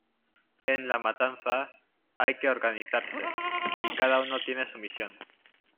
En la matanza, hay que organizarse, y cada uno tiene su misión.